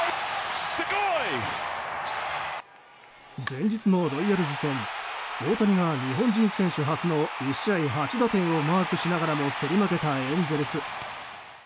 前日のロイヤルズ戦大谷が日本人選手初の１試合８打点をマークしながらも競り負けたエンゼルス。